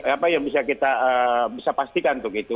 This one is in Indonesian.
apa yang bisa kita bisa pastikan untuk itu